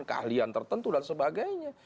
keahlian tertentu dan sebagainya